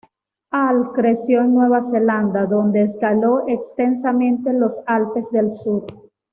Hall creció en Nueva Zelanda, donde escaló extensamente los Alpes del Sur.